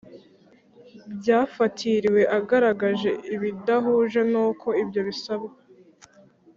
Byafatiriwe agaragaje ibidahuje n uko ibyo bisabwa